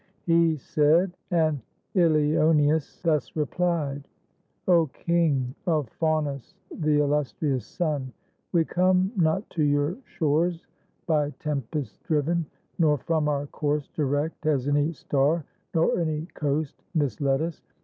He said ; and Ilioneus thus replied :— "0 king, of Faunus the illustrious son. We come not to your shores by tempests driven, Nor from our course direct has any star Nor any coast misled us.